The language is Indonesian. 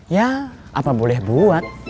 ya apa boleh buat